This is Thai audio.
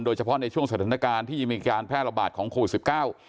โดยเฉพาะในช่วงสถานการณ์ที่ยังมีการแพร่ระบาดของโควิดสิบเก้า